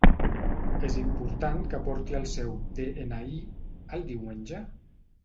És important que porti el seu de-ena-i el diumenge.